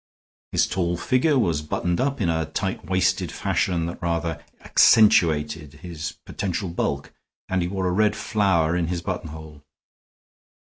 His tall figure was buttoned up in a tight waisted fashion that rather accentuated his potential bulk, and he wore a red flower in his buttonhole.